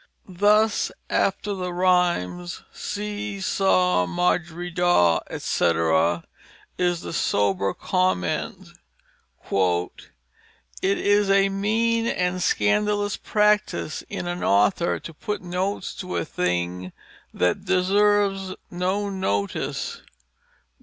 Thus after the rhymes, "See saw, Margery Daw," etc., is the sober comment, "It is a mean and Scandalous Practice in an author to put Notes to a Thing that deserves no Notice.